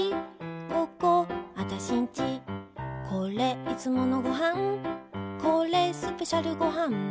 ここ、あたしんちこれ、いつものごはんこれ、スペシャルごはん